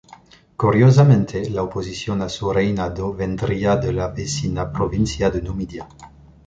Curiosamente la oposición a su reinado vendría de la vecina provincia de Numidia.